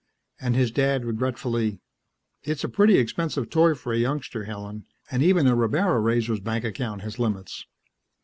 And his Dad regretfully, "It's a pretty expensive toy for a youngster, Helen. And even a rabbara raiser's bank account has limits."